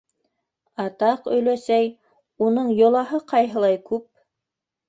— Атаҡ, өләсәй, уның йолаһы ҡайһылай күп!